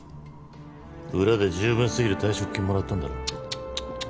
裏で十分すぎる退職金もらったんだろ？